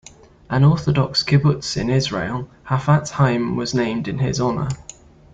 An Orthodox kibbutz in Israel, Hafetz Haim, was named in his honor.